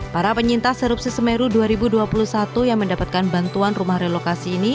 para penyintas erupsi semeru dua ribu dua puluh satu yang mendapatkan bantuan rumah relokasi ini